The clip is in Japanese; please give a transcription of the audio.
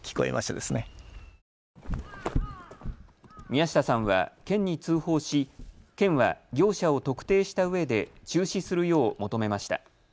宮下さんは県に通報し県は業者を特定したうえで中止するよう求めました。